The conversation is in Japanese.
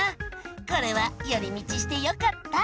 これはより道してよかった！